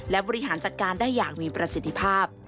และบริหารจัดการได้อย่างมีประสิทธิภาพ